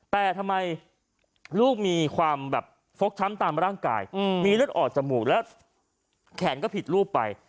แต่ทำไมลูกมีความแบบฟกช้ำตามร่างกายมีเลือดออกจมูกแล้วแขนก็ผิดรูปไป